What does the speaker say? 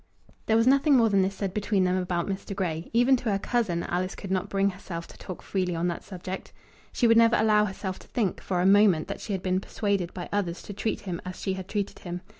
There was nothing more than this said between them about Mr. Grey. Even to her cousin, Alice could not bring herself to talk freely on that subject. She would never allow herself to think, for a moment, that she had been persuaded by others to treat him as she had treated him.